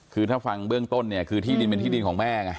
คือถ้าฟังเบื้องต้นเนี่ยคือที่ดินเป็นที่ดินของแม่ไง